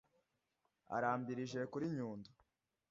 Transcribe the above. arambirije kuri nyundo,